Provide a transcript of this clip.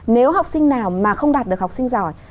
nếu học sinh nào mà không đạt được học sinh giỏi